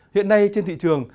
hiện nay trên thị trường